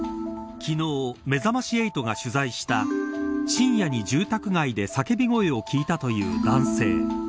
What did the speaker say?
昨日、めざまし８が取材した深夜に住宅街で叫び声を聞いたという男性。